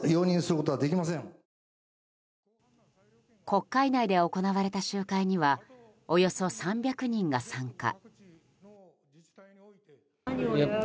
国会内で行われた集会にはおよそ３００人が参加。